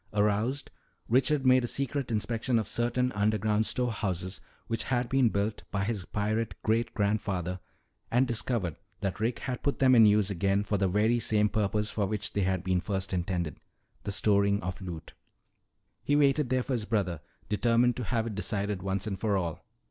Aroused, Richard made a secret inspection of certain underground storehouses which had been built by his pirate great grandfather and discovered that Rick had put them in use again for the very same purpose for which they had been first intended the storing of loot. "He waited there for his brother, determined to have it decided once and for all.